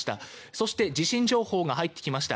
そして地震情報が入ってきました。